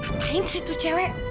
hah ngapain sih itu cewek